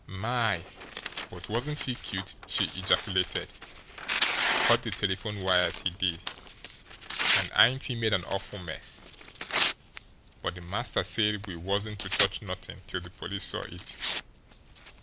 "My, but wasn't he cute!" she ejaculated. "Cut the telephone wires, he did. And ain't he made an awful mess! But the master said we wasn't to touch nothing till the police saw it."